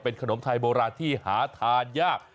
ขนมไทยโบราณที่หาทานยาก